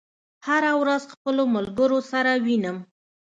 هره ورځ خپلو ملګرو سره وینم